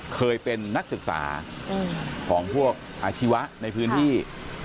เคยเป็นนักศึกษาของพวกอาชีวะในพื้นที่